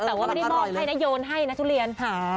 แต่ว่าไม่ได้มอบให้นะโยนให้นักทุเรียนหา